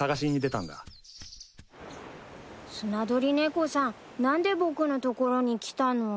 スナドリネコさん何で僕のところに来たの？